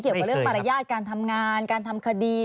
เกี่ยวกับเรื่องมารยาทการทำงานการทำคดี